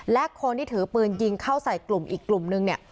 และคนที่ถือปืนยิงเข้าใส่กลุ่มอีกกลุ่มนึงเนี่ย